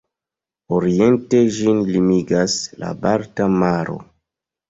Oriente ĝin limigas la Balta Maro.